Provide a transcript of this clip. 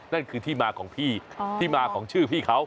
นั่นคือที่มาของพี่ที่มาของชื่อพี่เขา